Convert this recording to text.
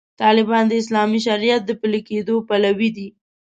طالبان د اسلامي شریعت د پلي کېدو پلوي دي.